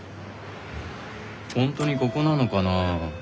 ほんとにここなのかな？